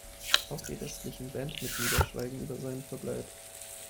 Auch die restlichen Bandmitglieder schweigen über seinen Verbleib.